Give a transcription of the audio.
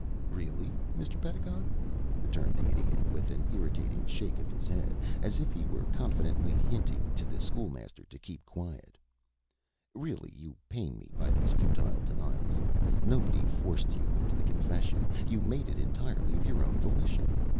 "Really, Mr. Pedagog," returned the Idiot, with an irritating shake of his head, as if he were confidentially hinting to the School Master to keep quiet "really you pain me by these futile denials. Nobody forced you into the confession. You made it entirely of your own volition.